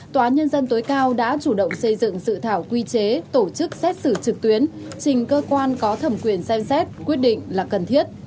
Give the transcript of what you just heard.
tòa nhân dân tối cao đã chủ động xây dựng dự thảo quy chế tổ chức xét xử trực tuyến trình cơ quan có thẩm quyền xem xét quyết định là cần thiết